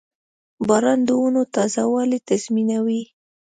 • باران د ونو تازهوالی تضمینوي.